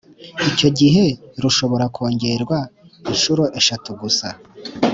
icyo gihe rushobora kwongerwa inshuro eshatu gusa.